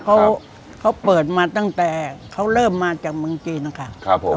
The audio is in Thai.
เขาเขาเปิดมาตั้งแต่เขาเริ่มมาจากเมืองจีนนะคะครับผม